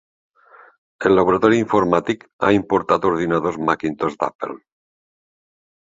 El laboratori informàtic ha importat ordinadors Macintosh d'Apple.